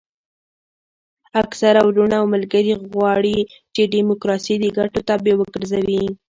اکثره وروڼه او ملګري غواړي چې ډیموکراسي د ګټو تابع وګرځوي.